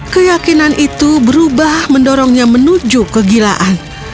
keyakinan itu berubah mendorongnya menuju kegilaan